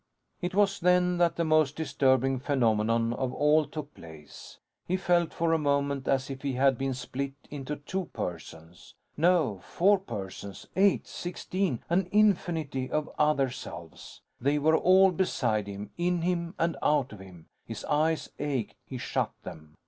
It was then that the most disturbing phenomenon of all took place. He felt for a moment as if he had been split into two persons. No, four persons, eight, sixteen, an infinity of other selves. They were all beside him, in him and out of him. His eyes ached. He shut them.